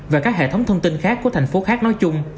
và các hệ thống thông tin khác của thành phố khác nói chung